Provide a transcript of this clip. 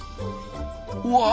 うわ！